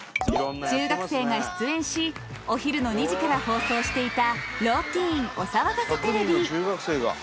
中学生が出演しお昼の２時から放送していた「ローティーンおさわがせテレビ」。